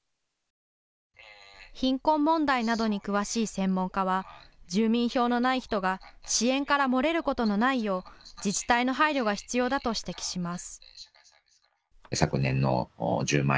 貧困問題などに詳しい専門家は住民票のない人が支援から漏れることのないよう、自治体の配慮が必要だと指摘します。